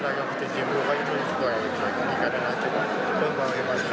และคุณสมัยจะมีเป็นฉุศกัน